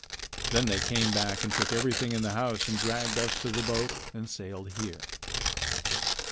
Then they came back and took everything in the house and dragged us to the boat and sailed here."